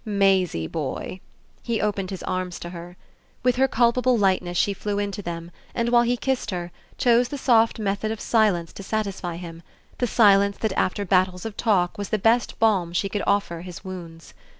"Maisie boy!" he opened his arms to her. With her culpable lightness she flew into them and, while he kissed her, chose the soft method of silence to satisfy him, the silence that after battles of talk was the best balm she could offer his wounds.